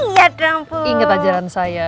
iya dong bu ingat ajaran saya